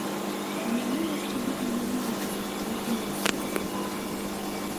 Але мы яшчэ будзем дазнавацца, якія ёсць прычыны.